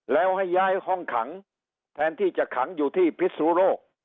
แล้วให้ย้ายห้องขังแทนที่จะขังอยู่ที่พิศนุโรค